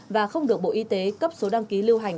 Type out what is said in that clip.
và không được bộ y tế cấp số đăng ký lưu hành